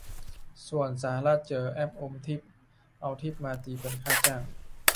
ส่วนสหรัฐเจอแอปอมทิป เอาทิปมาตีเป็นค่าจ้าง